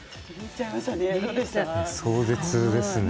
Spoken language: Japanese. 壮絶ですね。